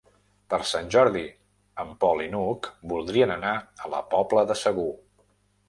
Per Sant Jordi en Pol i n'Hug voldrien anar a la Pobla de Segur.